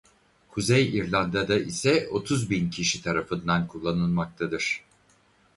Kuzey İrlanda'da ise otuz bin kişi tarafından kullanılmaktadır.